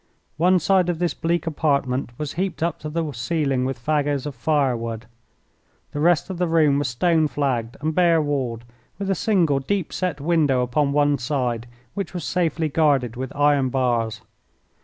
One side of this bleak apartment was heaped up to the ceiling with fagots of firewood. The rest of the room was stone flagged and bare walled, with a single, deep set window upon one side, which was safely guarded with iron bars.